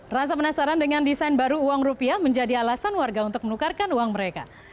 rasa penasaran dengan desain baru uang rupiah menjadi alasan warga untuk menukarkan uang mereka